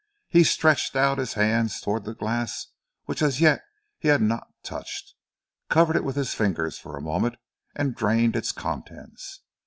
He stretched out his hand towards the glass which as yet he had not touched; covered it with his fingers for a moment and drained its contents.